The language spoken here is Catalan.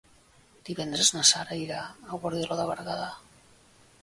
Divendres na Sara irà a Guardiola de Berguedà.